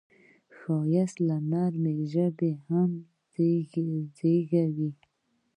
ښایست له نرمې ژبې نه هم زېږي